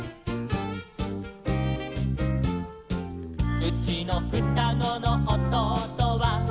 「うちのふたごのおとうとは」